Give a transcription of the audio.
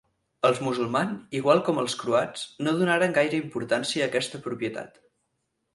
Els musulmans, igual com els croats, no donaren gaire importància a aquesta propietat.